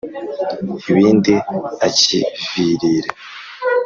Ibindi akivirira.